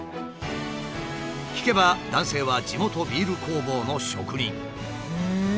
聞けば男性は地元ビール工房の職人。